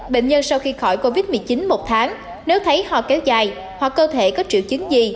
bệnh nhân sau khi khỏi covid một mươi chín một tháng nếu thấy ho kéo dài hoặc cơ thể có triệu chứng gì